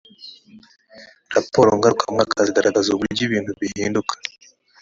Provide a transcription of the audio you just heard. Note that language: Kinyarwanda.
raporo ngarukamwaka zigaragaza uburyo ibintu bihinduka